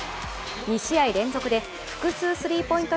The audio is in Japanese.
２試合連続で複数スリーポイント